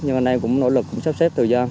nhưng anh em cũng nỗ lực sắp xếp thời gian